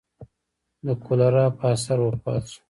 د کولرا په اثر وفات شو.